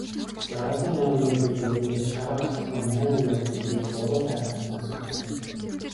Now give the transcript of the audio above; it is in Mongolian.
Жаргалын найман морь гэж үнэндээ шарга агттай найман морь гэдгийг буруу тайлбарласнаас үүссэн.